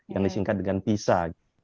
yang disingkat dengan pisa